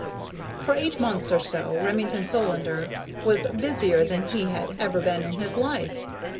For eight months or so Remington Solander was busier than he had ever been in his life.